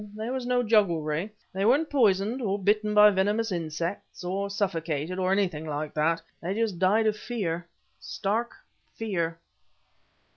there was no jugglery! They weren't poisoned, or bitten by venomous insects, or suffocated, or anything like that. They just died of fear stark fear."